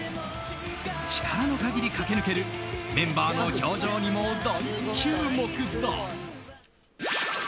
力の限り駆け抜けるメンバーの表情にも大注目だ。